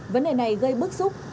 vấn đề này gây bức xúc